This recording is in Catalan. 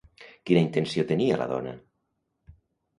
Quina intenció tenia la dona?